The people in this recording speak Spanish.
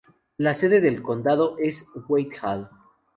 La sede del condado es Whitehall.